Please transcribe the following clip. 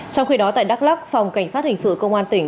trong khi đó tại đắk lắc phòng cảnh sát hình sự công an tỉnh